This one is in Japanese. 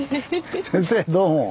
先生どうも。